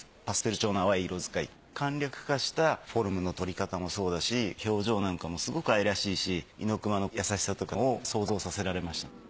パステル調の淡い色づかい簡略化したフォルムの取り方もそうだし表情なんかもすごく愛らしいし猪熊の優しさとかを想像させられました。